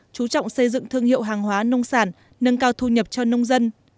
chú trọng xây dựng thương hiệu hàng hóa nông sản nâng cao thu nhập cho nông dân